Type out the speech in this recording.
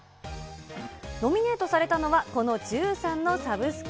ノミネートされたのはこの１３のサブスク。